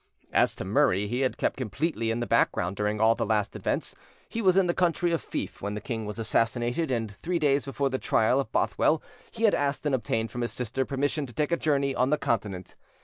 As to Murray, he had kept completely in the background during all the last events; he was in the county of Fife when the king was assassinated, and three days before the trial of Bothwell he had asked and obtained from his sister permission to take a journey on the Continent.